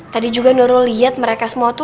tadi juga nurul lihat mereka semua tuh